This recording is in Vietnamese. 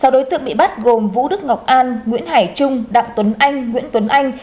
sáu đối tượng bị bắt gồm vũ đức ngọc an nguyễn hải trung đặng tuấn anh nguyễn tuấn anh